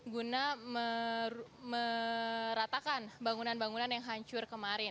guna meratakan bangunan bangunan yang hancur kemarin